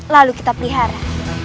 lalu kita pelihara